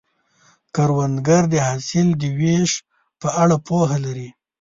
کروندګر د حاصل د ویش په اړه پوهه لري